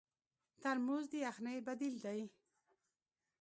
ترموز د یخنۍ بدیل دی.